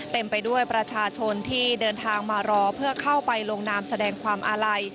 เต็มไปด้วยประชาชนที่เดินทางมารอเพื่อเข้าไปลงนามแสดงความอาลัย